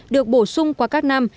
được bổ sung qua các năm